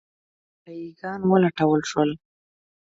نور منډیي ګان ولټول شول.